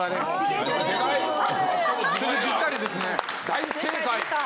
大正解！